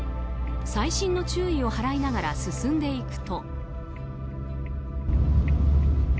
細心の注意を払いながら進んでいくと。